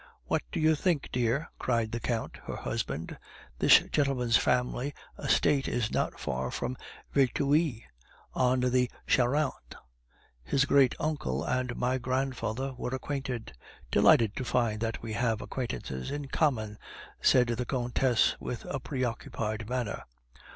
"What do you think, dear?" cried the Count, her husband, "this gentleman's family estate is not far from Verteuil, on the Charente; his great uncle and my grandfather were acquainted." "Delighted to find that we have acquaintances in common," said the Countess, with a preoccupied manner.